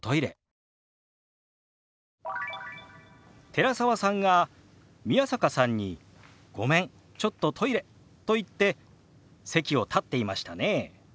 寺澤さんが宮坂さんに「ごめんちょっとトイレ」と言って席を立っていましたね。